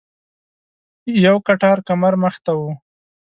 یو کټار کمر مخې ته و.